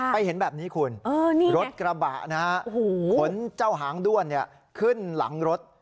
เห็นแบบนี้คุณรถกระบะนะฮะขนเจ้าหางด้วนขึ้นหลังรถ